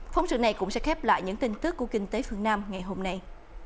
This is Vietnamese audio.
phóng sự này cũng sẽ khép lại những tin tức của kinh tế phương nam ngày hôm nay